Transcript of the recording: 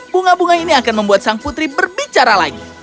bunga bunga ini akan membuat sang putri berbicara lagi